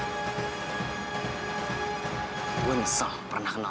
gue nyesel pernah kenal sama lo